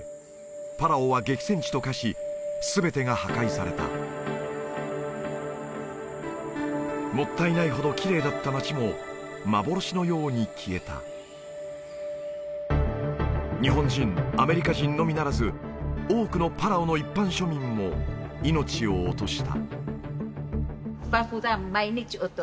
パラオは激戦地と化し全てが破壊されたモッタイナイほどきれいだった町も幻のように消えた日本人アメリカ人のみならず多くのパラオの一般庶民も命を落とした